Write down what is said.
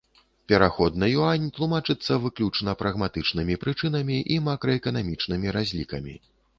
Пераход на юань тлумачыцца выключна прагматычнымі прычынамі і макраэканамічнымі разлікамі.